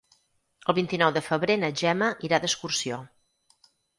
El vint-i-nou de febrer na Gemma irà d'excursió.